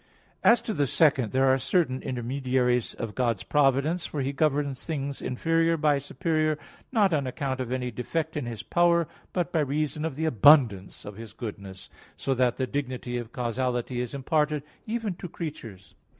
As to the second, there are certain intermediaries of God's providence; for He governs things inferior by superior, not on account of any defect in His power, but by reason of the abundance of His goodness; so that the dignity of causality is imparted even to creatures.